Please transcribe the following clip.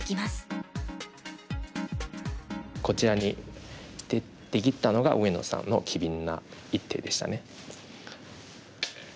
こちらに出切ったのが上野さんの機敏な一手でしたね。